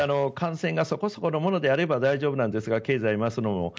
感染がそこそこのものであれば大丈夫なんですが経済を回すのも。